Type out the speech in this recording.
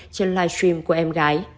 trên live stream của em gái